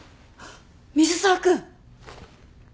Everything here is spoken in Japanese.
水沢君！